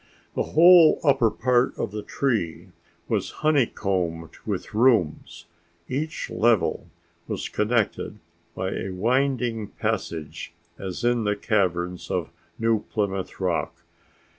The whole upper part of the tree was honeycombed with rooms. Each level was connected by a winding passage as in the caverns of New Plymouth Rock.